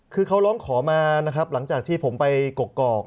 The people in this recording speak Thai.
คือเขาร้องขอมานะครับหลังจากที่ผมไปกกอก